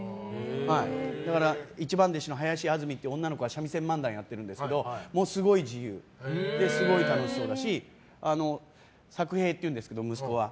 だから、一番弟子の林家あずみっていう女の子が三味線漫談やってるんですけどすごい楽しそうだしさく平っていうんですけど息子は。